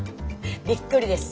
びっくりです。